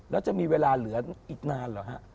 แล้วจะมีเวลาเหลืออีกนานเหรอฮะ